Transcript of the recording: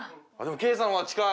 ケイさんは近い。